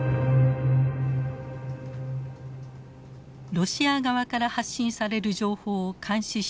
ロシア側から発信される情報を監視してきたシンクタンクです。